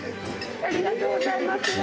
ありがとうございます。